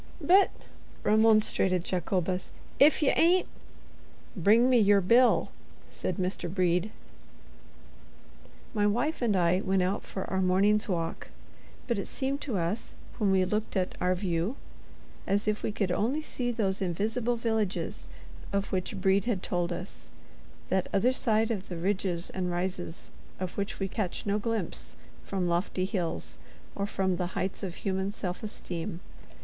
"But," remonstrated Jacobus, "ef ye ain't——" "Bring me your bill!" said Mr. Brede. My wife and I went out for our morning's walk. But it seemed to us, when we looked at "our view," as if we could only see those invisible villages of which Brede had told us—that other side of the ridges and rises of which we catch no glimpse from lofty hills or from the heights of human self esteem.